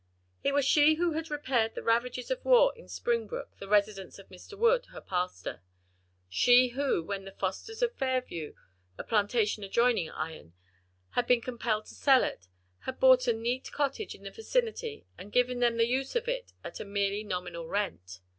It was she who had repaired the ravages of war in Springbrook, the residence of Mr. Wood, her pastor; she who, when the Fosters of Fairview, a plantation adjoining Ion, had been compelled to sell it, had bought a neat cottage in the vicinity and given them the use of it at a merely nominal rent.